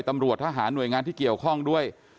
ตำรวจทหารหน่วยงานที่เกี่ยวข้องด้วย